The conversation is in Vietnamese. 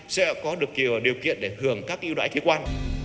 sẽ có được điều kiện để hưởng các ưu đãi thuế quan